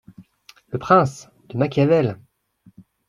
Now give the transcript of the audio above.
Le Prince, de Machiavel !